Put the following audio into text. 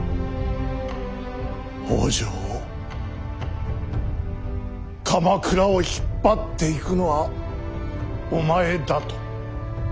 北条を鎌倉を引っ張っていくのはお前だと。